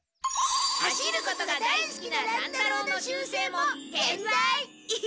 走ることが大すきな乱太郎の習せいもけんざい！